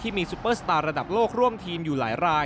มีซุปเปอร์สตาร์ระดับโลกร่วมทีมอยู่หลายราย